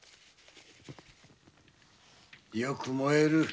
よく燃える。